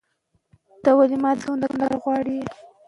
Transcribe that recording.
د علم تولید د پرمختللیو فکرونو لپاره اساسي ده.